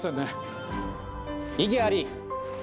・異議あり！